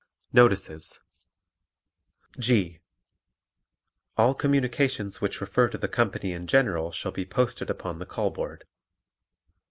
Notices G. All communications which refer to the company in general shall be posted upon the call board.